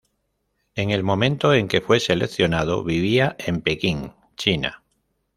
En el momento en que fue seleccionado vivía en Pekín, China.